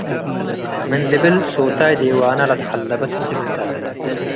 ምን ልብል ሶታይ ዴዋነ ለተሐለበት እግሉተ፣